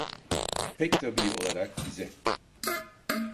Pek tabii olarak bize…